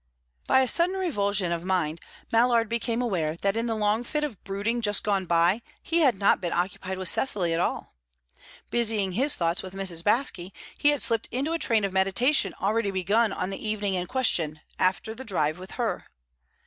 By a sudden revulsion of mind, Mallard became aware that in the long fit of brooding just gone by he had not been occupied with Cecily at all. Busying his thoughts with Mrs. Baske, he had slipped into a train of meditation already begun on the evening in question, after the drive with her.